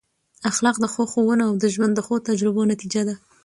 اخلاق د ښو ښوونو او د ژوند د ښو تجربو نتیجه ده.